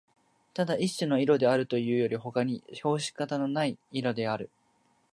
ただ一種の色であるというよりほかに評し方のない色である